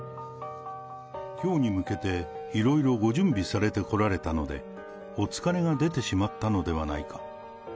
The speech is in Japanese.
きょうに向けて、いろいろご準備されてこられたので、お疲れが出てしまったのではないか。